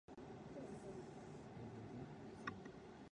バス停のベンチに座りながら、僕は駅まで歩いていくことを考える